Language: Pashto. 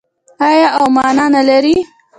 آیا او مانا نلري؟